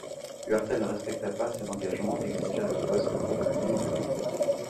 Huerta ne respecta pas ses engagements et exigea le poste pour lui-même.